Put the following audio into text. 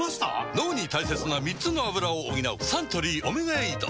脳に大切な３つのアブラを補うサントリー「オメガエイド」